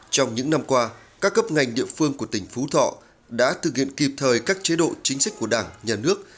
trong những năm qua các cấp ngành địa phương của tỉnh phú thọ đã thực hiện kịp thời các chế độ chính sách của đảng nhà nước